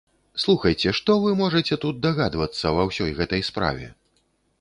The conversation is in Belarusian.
Слухайце, што вы можаце тут дагадвацца ва ўсёй гэтай справе?